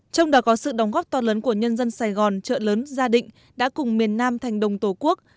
trong đó có sự đóng góp to lớn của nhân dân sài gòn trợ lớn gia định đã cùng miền nam thành đồng tổ quốc